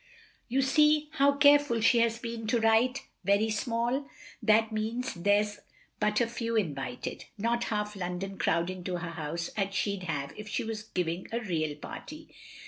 You see how careful she has been to write, "Very small." That means there's but a few invited; not half London crowding to her house as she 'd have if she was giving a real party.